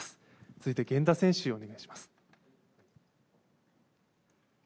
続いて源田選手、お願いします。